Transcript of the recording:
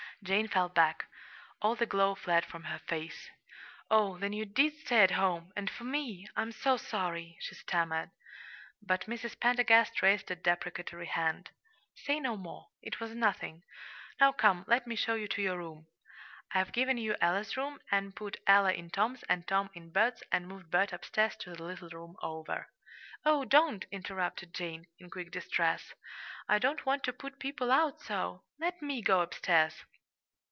Jane fell back. All the glow fled from her face. "Oh, then you did stay at home and for me! I'm so sorry," she stammered. But Mrs. Pendergast raised a deprecatory hand. "Say no more. It was nothing. Now come, let me show you to your room. I've given you Ella's room, and put Ella in Tom's, and Tom in Bert's, and moved Bert upstairs to the little room over " "Oh, don't!" interrupted Jane, in quick distress. "I don't want to put people out so! Let me go upstairs."